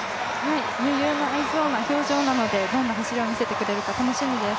余裕のありそうな表情なのでどんな走りを見せてくれるのか楽しみです。